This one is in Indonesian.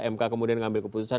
mk kemudian ngambil keputusan